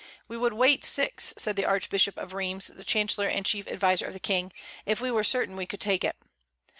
"We would wait six," said the Archbishop of Rheims, the chancellor and chief adviser of the King, "if we were certain we could take it."